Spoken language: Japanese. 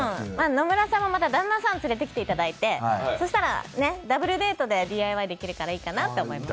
野村さんもまた旦那さん連れてきていただいてそしたら、ね、ダブルデートでＤＩＹできるからいいかなって思います。